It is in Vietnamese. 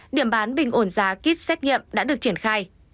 điểm bán bình ổn giá kit xét nghiệm đã được triển khai